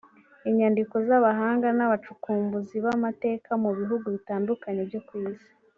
Inyandiko z’Abahanga n’abacukumbuzi b’amateka mu bihugu bitandukanye byo ku Isi